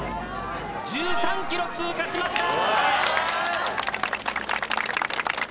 １３ｋｍ通過しました。